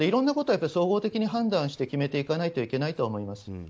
総合的に判断して決めていかないといけないと思います。